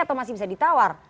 atau masih bisa ditawar